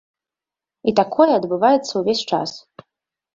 І такое адбываецца ўвесь час.